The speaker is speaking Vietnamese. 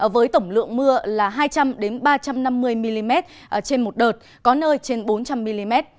với tổng lượng mưa là hai trăm linh ba trăm năm mươi mm trên một đợt có nơi trên bốn trăm linh mm